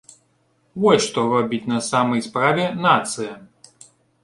Вось што робіць на самай справе нацыя.